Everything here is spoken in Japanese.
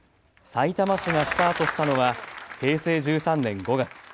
さいたま市がスタートしたのは平成１３年５月。